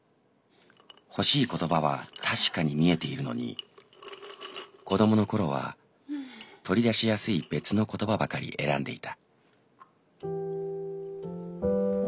欲しい言葉は確かに見えているのに子供の頃は取り出しやすい別の言葉ばかり選んでいた」。